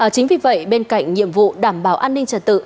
chính vì vậy bên cạnh nhiệm vụ đảm bảo an ninh trật tự